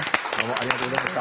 ありがとうございます。